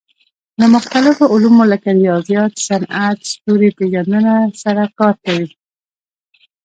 له مختلفو علومو لکه ریاضیات، صنعت، ستوري پېژندنه سره کار کوي.